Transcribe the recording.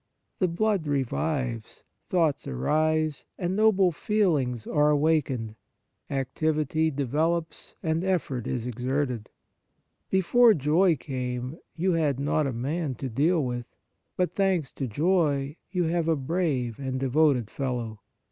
The blood revives, thoughts arise and noble feelings are awakened, activity develops and effort is exerted. 146 The Fruits of Piety Before joy came, you had not a man to deal with ; but thanks to joy, you have a brave and devoted fellow.